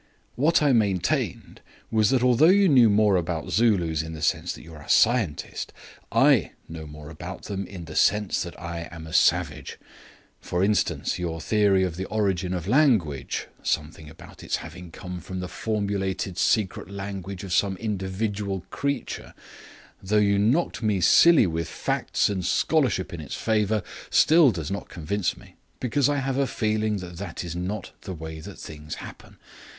What I maintained was that although you knew more about Zulus in the sense that you are a scientist, I know more about them in the sense that I am a savage. For instance, your theory of the origin of language, something about its having come from the formulated secret language of some individual creature, though you knocked me silly with facts and scholarship in its favour, still does not convince me, because I have a feeling that that is not the way that things happen.